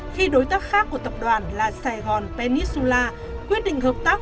khi đối tác khác của tập đoàn là sài gòn pennisula quyết định hợp tác